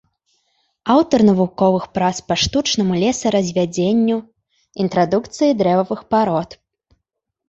Аўтар навуковых прац па штучнаму лесаразвядзенню, інтрадукцыі дрэвавых парод.